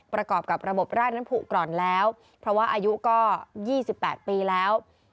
ประกอบกับระบบราดนั้นผูกร่อนแล้วเพราะว่าอายุก็๒๘ปีแล้ว